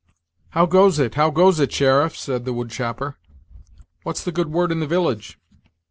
"How goes it, how goes it, sheriff?" said the wood chopper; "what's the good word in the village?"